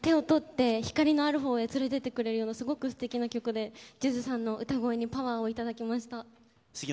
手をとって、光のあるほうに連れていってくれるような、ステキな曲で、ＪＵＪＵさんの歌声にパワーをいただきました。